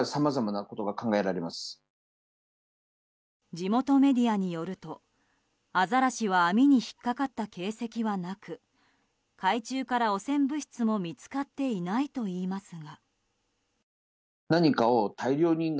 地元メディアによるとアザラシは網に引っかかった形跡はなく海中から汚染物質も見つかっていないといいますが。